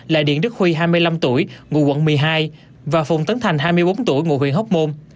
là điện đức huy hai mươi năm tuổi ngụ quận một mươi hai và phùng tấn thành hai mươi bốn tuổi ngụ huyện hóc môn